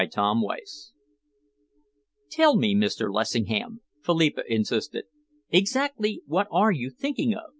CHAPTER VIII "Tell me, Mr. Lessingham," Philippa insisted, "exactly what are you thinking of?